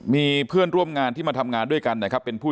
มีเพื่อนร่วมงานที่มาทำงานด้วยกันนะครับเป็นผู้